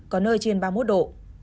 có nơi trên ba mươi một độ